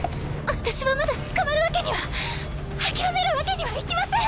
私はまだ捕まるわけには諦めるわけにはいきません！